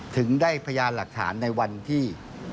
ถึงได้พยานหลักฐานในวันที่